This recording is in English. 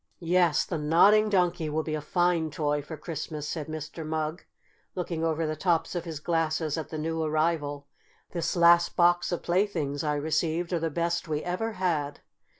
"Yes, the Nodding Donkey will be a fine toy for Christmas," said Mr. Mugg, looking over the tops of his glasses at the new arrival. "This last box of playthings I received are the best we ever had.